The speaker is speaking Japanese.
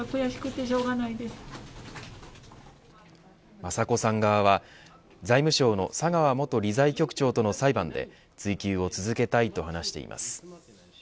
雅子さん側は財務省の佐川元理財局長との裁判で追及を続けたいと話しています。